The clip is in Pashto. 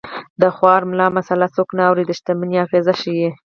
د خوار ملا مساله څوک نه اوري د شتمنۍ اغېز ښيي